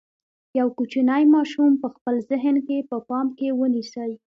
یو کوچنی ماشوم په خپل ذهن کې په پام کې ونیسئ.